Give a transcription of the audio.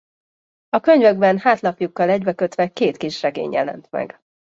A könyvekben hátlapjukkal egybekötve két kisregény jelent meg.